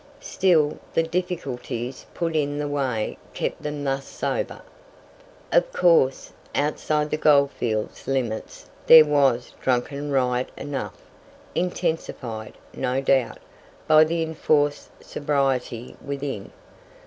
Still, the difficulties put in the way kept them thus sober. Of course, outside the goldfields' limits there was drunken riot enough, intensified, no doubt, by the enforced sobriety within.